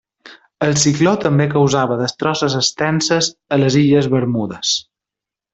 El cicló també causava destrosses extenses a les Illes Bermudes.